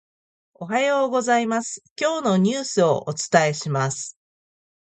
おはようございます、今日のニュースをお伝えします。